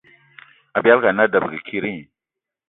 Abialga ana a debege kidi?